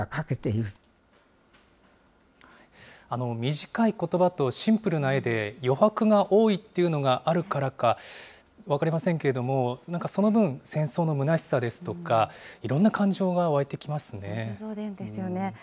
短いことばとシンプルな絵で余白が多いっていうのがあるからか分かりませんけれども、なんかその分、戦争のむなしさですとか、本当そうですよね。